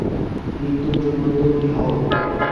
মৃত্যুর জন্য তৈরী হও।